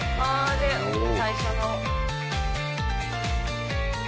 で最初の」